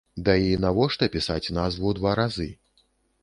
Да і навошта пісаць назву два разы?